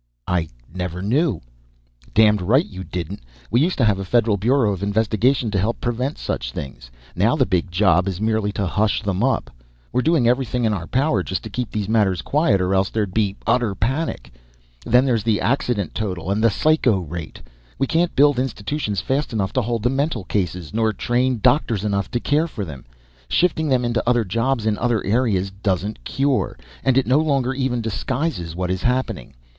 "I never knew " "Damned right you didn't! We used to have a Federal Bureau of Investigation to help prevent such things. Now the big job is merely to hush them up. We're doing everything in our power just to keep these matters quiet, or else there'd be utter panic. Then there's the accident total and the psycho rate. We can't build institutions fast enough to hold the mental cases, nor train doctors enough to care for them. Shifting them into other jobs in other areas doesn't cure, and it no longer even disguises what is happening.